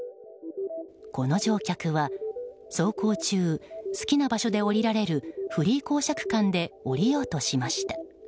この乗客は、走行中好きな場所で降りられるフリー降車区間で降りようとしました。